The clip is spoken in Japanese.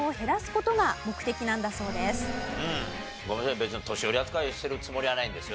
別に年寄り扱いしてるつもりはないんですよ。